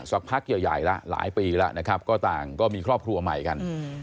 สักพักใหญ่แล้วหลายปีแล้วนะครับก็ต่างก็มีครอบครัวใหม่กัน